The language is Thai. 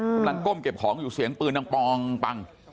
กำลังก้มเก็บของอยู่เสียงปืนนั่งปองปัง